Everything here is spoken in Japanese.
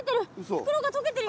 袋が溶けてるよ！